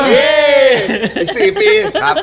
เย้อีก๓ปี